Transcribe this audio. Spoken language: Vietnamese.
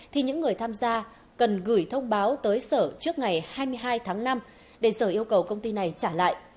thì những người tham gia cần gửi thông báo tới sở trước ngày hai mươi hai tháng năm để sở yêu cầu công ty này trả lại